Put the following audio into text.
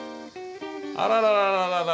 あららら。